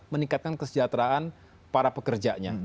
meningkatkan kesejahteraan para pekerja